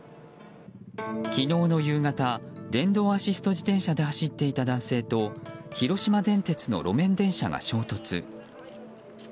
昨日の夕方電動アシスト自転車で走っていた男性と広島電鉄の路面電車が衝突。